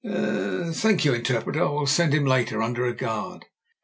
"Er — thank you, interpreter; I will send him later under a guard."